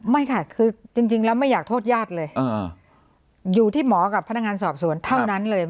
ไม่ค่ะคือจริงแล้วไม่อยากโทษญาติเลยอยู่ที่หมอกับพนักงานสอบสวนเท่านั้นเลย